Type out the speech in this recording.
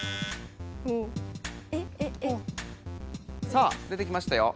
さあ出てきましたよ。